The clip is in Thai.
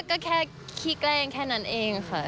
ก็แค่คลิกแรงแค่นั้นเองค่ะ